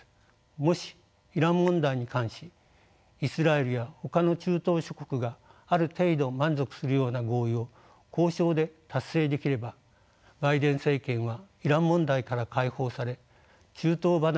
もしイラン問題に関しイスラエルやほかの中東諸国がある程度満足するような合意を交渉で達成できればバイデン政権はイラン問題から解放され中東離れを加速することができます。